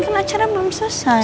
kan acara belum selesai